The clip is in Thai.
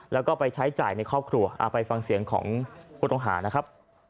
แล้วก็ไปใช้จ่ายในครอบครัวเอาไปฟังเสียงของผู้ต้องหานะครับ